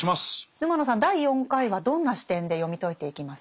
沼野さん第４回はどんな視点で読み解いていきますか？